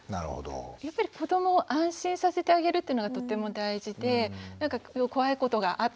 やっぱり子どもを安心させてあげるっていうのがとても大事で何か怖いことがあったんだねとか。